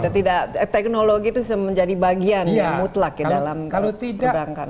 sudah tidak teknologi itu menjadi bagian ya mutlak ya dalam perberangkan